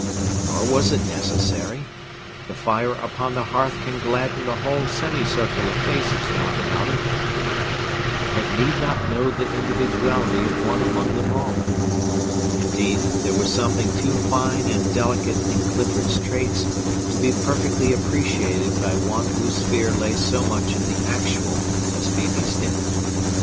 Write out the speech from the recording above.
Nor was it necessary. The fire upon the hearth can gladden a whole semicircle of faces round about it, but need not know the individuality of one among them all. Indeed, there was something too fine and delicate in Clifford's traits to be perfectly appreciated by one whose sphere lay so much in the Actual as Phœbe's did.